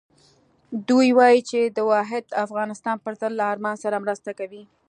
دوی وایي چې د واحد افغانستان پر ضد له ارمان سره مرسته کوي.